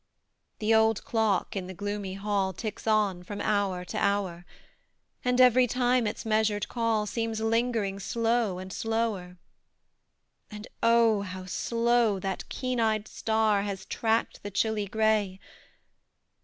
The old clock in the gloomy hall Ticks on, from hour to hour; And every time its measured call Seems lingering slow and slower: And, oh, how slow that keen eyed star Has tracked the chilly gray!